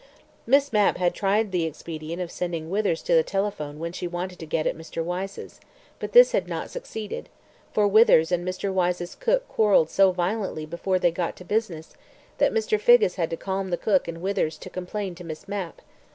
Miss Mapp had tried the expedient of sending Withers to the telephone when she wanted to get at Mr. Wyse's, but this had not succeeded, for Withers and Mr. Wyse's cook quarrelled so violently before they got to business that Mr. Figgis had to calm the cook and Withers to complain to Miss Mapp.